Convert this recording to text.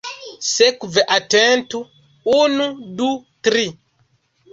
Sekve atentu: unu, du, tri!